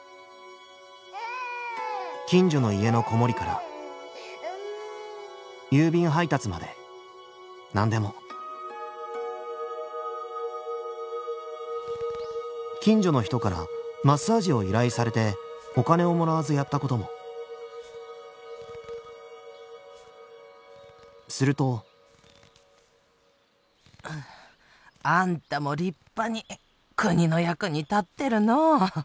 近所の家の子守から郵便配達まで何でも近所の人からマッサージを依頼されてお金をもらわずやったこともするとあんたも立派に国の役に立ってるのう。